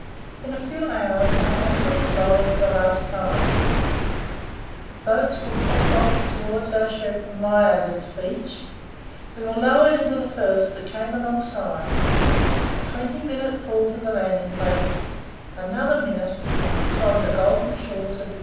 In a few hours our anchor was lowered for the last time boats were put off towards our ship from Liardet's Beach we were lowered into the first that came alongside a twenty minutes' pull to the landing place another minute, and we trod the golden shores of Victoria.